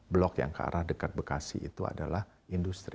blok yang ke arah dekat bekasi itu adalah industri